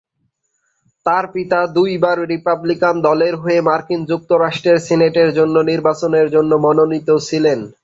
তার পিতা দুইবার রিপাবলিকান দলের হয়ে মার্কিন যুক্তরাষ্ট্রের সিনেটের জন্য নির্বাচনের জন্য মনোনীত ছিলেন।